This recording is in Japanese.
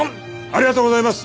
ありがとうございます。